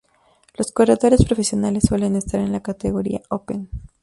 Los corredores Profesionales suelen estar en la categoría Open.